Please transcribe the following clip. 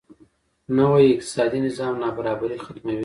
نوی اقتصادي نظام نابرابري ختموي.